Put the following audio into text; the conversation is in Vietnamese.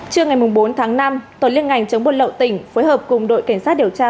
trưa ngày bốn tháng năm tổ liên ngành chống buôn lậu tỉnh phối hợp cùng đội cảnh sát điều tra